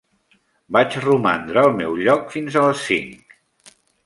Vaig romandre al meu lloc fins a les cinc.